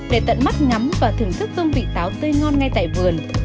để tận mắt ngắm và thưởng thức hương vị táo tươi ngon ngay tại vườn